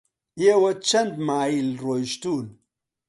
ئێوە چەند مایل ڕۆیشتوون؟